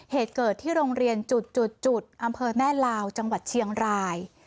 เหตุเกิดที่โรงเรียนจุดอำเภอแม่ลาวจังหวัดเชียงราย